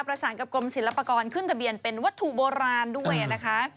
ประสานกับกรมศิลปากรขึ้นทะเบียนเป็นวัตถุโบราณด้วยนะคะ